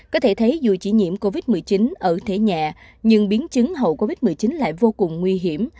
có thể thấy dù chỉ nhiễm covid một mươi chín ở thế nhẹ nhưng biến chứng hậu covid một mươi chín lại vô cùng nguy hiểm